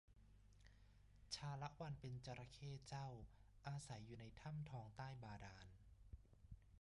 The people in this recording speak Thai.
ชาละวันเป็นจระเข้เจ้า อาศัยอยู่ในถ้ำทองใต้บาดาล